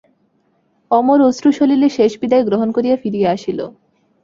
অমর অশ্রুসলিলে শেষ বিদায় গ্রহণ করিয়া ফিরিয়া আসিল।